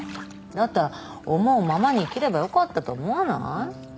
だったら思うままに生きればよかったと思わない？